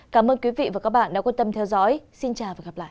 cảm ơn quý vị và các bạn đã quan tâm theo dõi xin chào và hẹn gặp lại